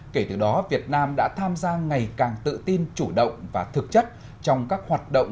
kể từ đó việt nam đã tham gia ngày càng tự tin chủ động và thực chất trong các hoạt động